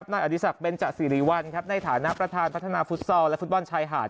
นายอดีศักดิเบนจสิริวัลในฐานะประธานพัฒนาฟุตซอลและฟุตบอลชายหาด